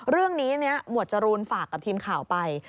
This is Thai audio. เรื่องนี้หมวดจรูนฝากกับทีมข่าวไป